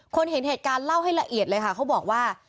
เห็นเหตุการณ์เล่าให้ละเอียดเลยค่ะเขาบอกว่า